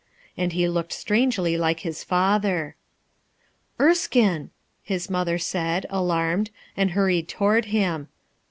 And he looked strangely like his father, "Erekine," his mother said, alarmed, and hurried toward him.